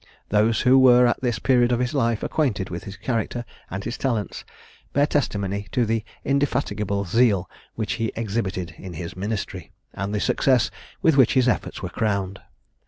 Those who were at this period of his life acquainted with his character and his talents, bear testimony to the indefatigable zeal which he exhibited in his ministry, and the success with which his efforts were crowned.